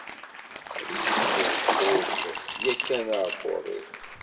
Yettqejquj yakan uɛebbuḍ-iw.